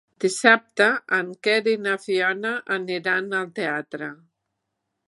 Dissabte en Quer i na Fiona aniran al teatre.